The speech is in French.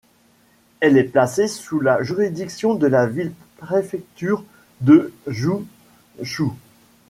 Elle est placée sous la juridiction de la ville-préfecture de Zhuzhou.